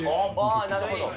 なるほど。